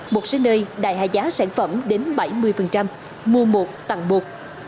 một số nơi đài hạ giá sản phẩm đến bảy mươi mua một tặng một